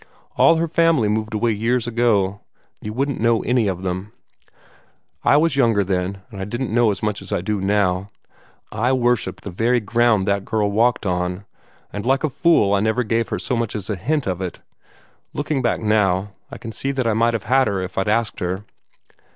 All her family moved away years ago. You wouldn't know any of them. I was younger then, and I didn't know as much as I do now. I worshipped the very ground that girl walked on, and like a fool I never gave her so much as a hint of it. Looking back now, I can see that I might have had her if I'd asked her.